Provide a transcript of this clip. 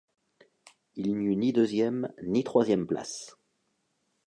Il n’y eut ni deuxième, ni troisième place.